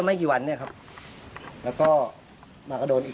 ไม่กี่วันเนี่ยครับแล้วก็มาก็โดนอีก